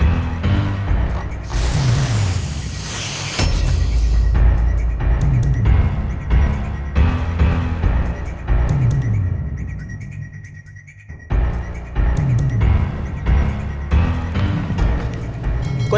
jadi pilihan obat